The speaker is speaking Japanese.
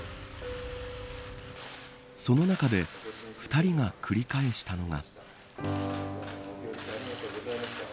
その中で２人が繰り返したのが。